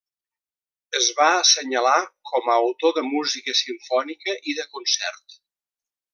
Es va assenyalar com a autor de música simfònica i de concert.